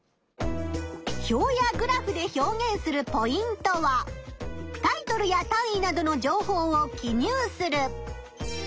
表やグラフで表現するポイントはタイトルや単位などの情報を記入する。